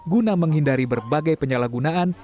guna menghindari berbagai penyalahgunaan